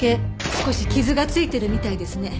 少し傷が付いてるみたいですね。